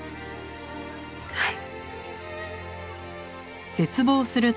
はい。